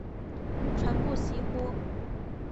传不习乎？